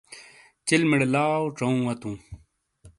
چلمیڑے لاؤ ژاؤوں وتوں۔